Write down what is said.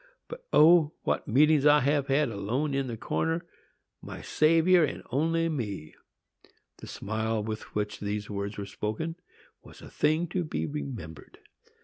But, O! what meetings I have had, alone in the corner,—my Saviour and only me!" The smile with which these words were spoken was a thing to be remembered.